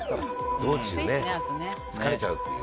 道中疲れちゃうっていう。